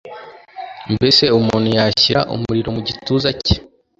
Mbese umuntu yashyira umuriro mu gituza cye